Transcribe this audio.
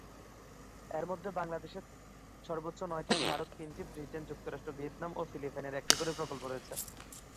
এর মধ্যে বাংলাদেশের সর্বোচ্চ নয়টি, ভারত তিনটি, ব্রিটেন, যুক্তরাষ্ট্র, ভিয়েতনাম ও ফিলিপাইনের একটি করে প্রকল্প রয়েছে।